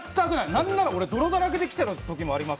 何なら泥だらけで来てる時もあります。